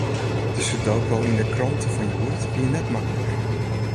De sudoku yn de krante fan hjoed wie net maklik.